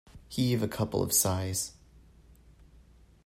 Heave a couple of sighs.